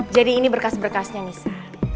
jadi ini berkas berkasnya nisa